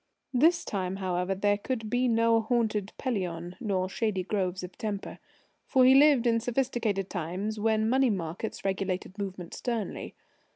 This time, however, there could be no haunted Pelion, nor shady groves of Tempe, for he lived in sophisticated times when money markets regulated movement sternly.